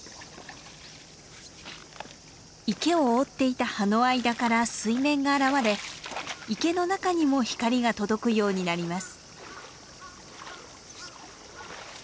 池を覆っていた葉の間から水面が現れ池の中にも光が届くようになります。